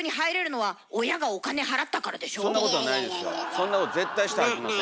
そんなこと絶対したらあきません。